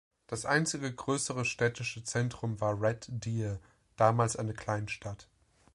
Das einzige größere städtische Zentrum war Red Deer, damals eine Kleinstadt.